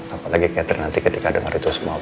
apalagi cater nanti ketika denger itu semua